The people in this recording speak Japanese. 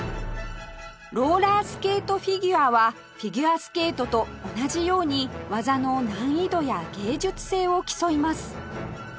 ローラースケートフィギュアはフィギュアスケートと同じように技の難易度や芸術性を競います